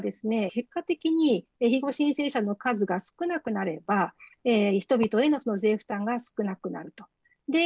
結果的にひご申請者の数が少なくなれば人々への税負担が少なくなると。